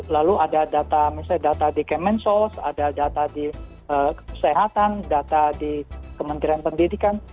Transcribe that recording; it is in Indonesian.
lalu ada data misalnya data di kemensos ada data di kesehatan data di kementerian pendidikan